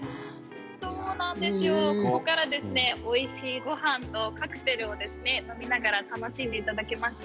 ここからおいしいごはんとカクテルを飲みながら楽しんでいただけます。